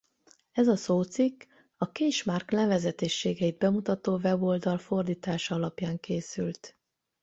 Ez a szócikk a Késmárk nevezetességeit bemutató weboldal fordítása alapján készült.